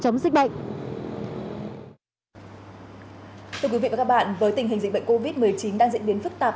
chống dịch bệnh thưa quý vị và các bạn với tình hình dịch bệnh covid một mươi chín đang diễn biến phức tạp